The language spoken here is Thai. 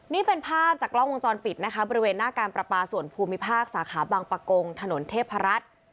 นี่เป็นภาพจากกล้องวงจรปิดนะคะบริเวณหน้าการประปาส่วนภูมิภาคสาขาบางประกงถนนเทพรัฐ